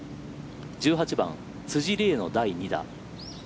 １８番、辻梨恵の第２打。